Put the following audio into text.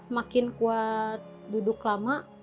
makin kuat duduk lama